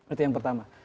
itu yang pertama